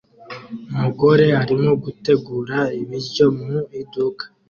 Umugore arimo gutegura ibiryo mu iduka